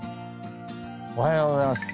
おはようございます。